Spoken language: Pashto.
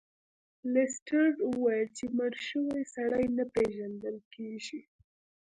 لیسټرډ وویل چې مړ شوی سړی نه پیژندل کیږي.